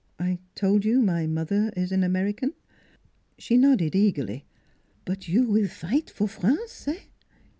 ... I told you my mother is an American? " She nodded eagerly. " But you will fight for France eh?